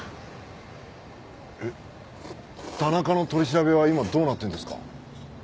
えっ田中の取り調べは今どうなってんですか？